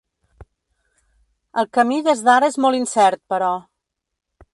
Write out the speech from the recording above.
El camí des d’ara és molt incert, però.